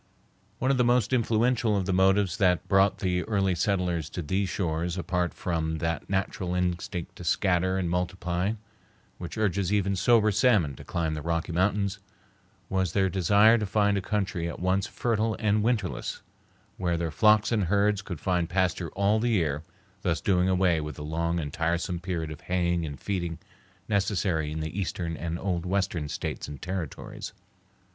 One of the most influential of the motives that brought the early settlers to these shores, apart from that natural instinct to scatter and multiply which urges even sober salmon to climb the Rocky Mountains, was their desire to find a country at once fertile and winterless, where their flocks and herds could find pasture all the year, thus doing away with the long and tiresome period of haying and feeding necessary in the eastern and old western States and Territories.